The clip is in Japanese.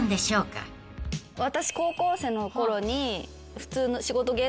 私。